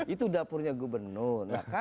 itu dapurnya gubernur